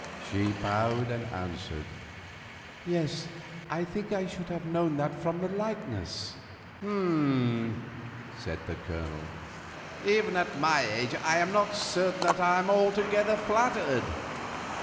She bowed and answered: "Yes, I think I should have known that from the likeness." "Hum!" said the Colonel. "Even at my age I am not certain that I am altogether flattered.